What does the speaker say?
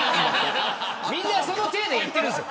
みんなその体でやってるんです。